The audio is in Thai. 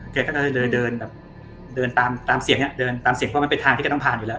ดูเรื่อยเดินตามเสียงเพราะมันเป็นทางที่ต้องผ่านอยู่แล้ว